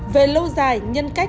về lâu dài nhân cách